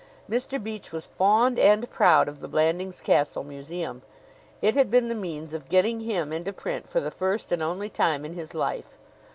Mr. Beach was fond and proud of the Blandings Castle museum. It had been the means of getting him into print for the first and only time in his life.